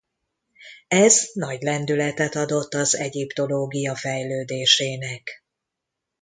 Ez nagy lendületet adott az egyiptológia fejlődésének.